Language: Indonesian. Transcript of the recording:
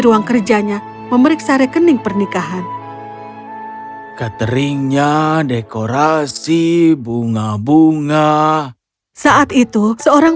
ruang kerjanya memeriksa rekening pernikahan cateringnya dekorasi bunga bunga saat itu seorang